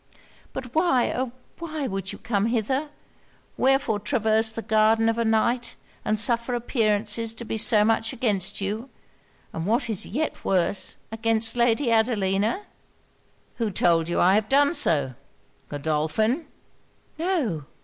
'But why, oh! why would you come hither? Wherefore traverse the garden of a night, and suffer appearances to be so much against you, and what is yet worse, against Lady Adelina?' 'Who told you I have done so Godolphin?' 'No.